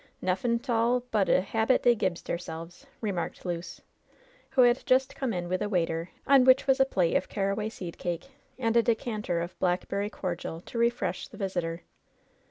Nuffin' 't all but a habit dey gibs deirselves," re marked Luce, who had just come in with a waiter, on which was a plate of caraway seed cake and a decanter of blackberry cordial to refresh the visitor.